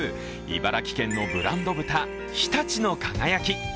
茨城県のブランド豚、常陸の輝き。